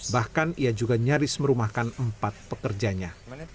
bahkan ia juga nyaris merumahkan empat pekerjanya